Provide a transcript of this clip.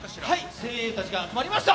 精鋭たちが集まりました！